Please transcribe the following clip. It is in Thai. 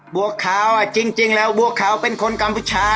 บวกเขาอ่ะจริงจริงแล้วบวกเขาเป็นคนกัมพูชา